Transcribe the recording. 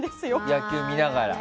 野球見ながら。